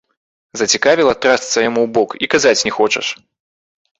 Зацікавіла, трасца яму ў бок, і казаць не хочаш!